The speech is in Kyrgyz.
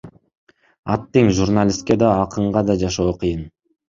Аттиң, журналистке да, акынга да жашоо кыйын,